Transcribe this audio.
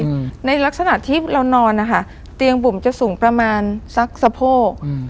อืมในลักษณะที่เรานอนนะคะเตียงบุ่มจะสูงประมาณสักสะโพกอืม